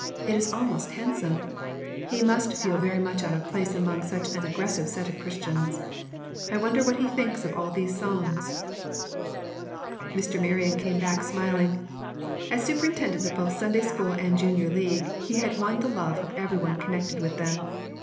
"It is almost handsome. He must feel very much out of place among such an aggressive set of Christians. I wonder what he thinks of all these songs?" Mr. Marion came back smiling. As superintendent of both Sunday school and Junior League, he had won the love of every one connected with them.